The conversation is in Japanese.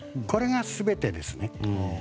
これが全てですね。